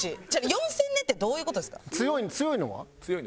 ４０００年ってどういう事ですか？